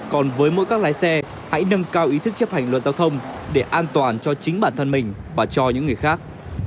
còn với mỗi các lái xe hãy nâng cao ý thức chấp hành luật giao thông để an toàn cho chính bản thân mình và cho những người khác